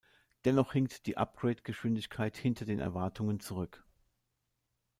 Dennoch hinkt die Upgrade-Geschwindigkeit hinter den Erwartungen zurück.